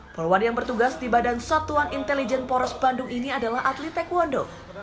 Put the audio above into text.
poluan yang bertugas di badan satuan intelijen poros bandung ini adalah atlet taekwondo